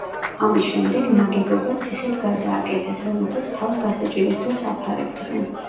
ამის შემდეგ, ნაგებობა ციხედ გადააკეთეს, რომელსაც თავს გასაჭირის დროს აფარებდნენ.